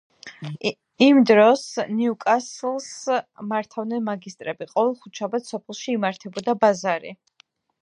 იმ დროს ნიუკასლს მართავდნენ მაგისტრები, ყოველ ხუთშაბათს სოფელში იმართებოდა ბაზარი.